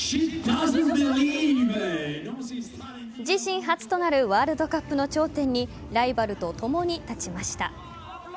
自身初となるワールドカップの頂点にライバルと共に立ちました。